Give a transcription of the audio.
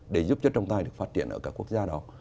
để giúp cho trọng tài được phát triển ở các quốc gia đó